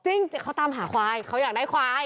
จริงเขาตามหาควายเขาอยากได้ควาย